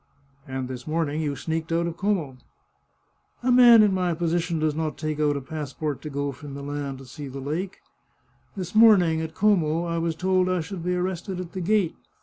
" And this morning you sneaked out of Como !"" A man in my position does not take out a passport to go from Milan to see the lake. This morning, at Como, I was told I should be arrested at the gate.